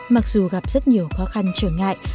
mặc dù gặp rất nhiều khó khăn trở ngại